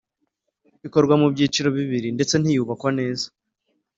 ikorwa mu byiciro bibiri ndetse ntiyubakwa neza